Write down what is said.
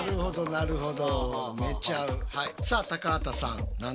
なるほど。